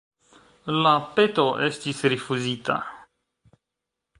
La peto estis rifuzita.